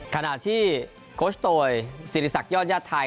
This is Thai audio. ขณะที่โคชโตยศิริษักยอดญาติไทย